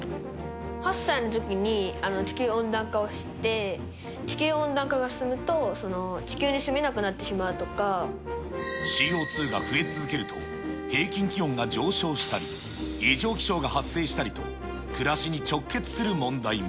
８歳のときに地球温暖化を知って、地球温暖化が進むと、ＣＯ２が増え続けると、平均気温が上昇したり、異常気象が発生したりと、暮らしに直結する問題も。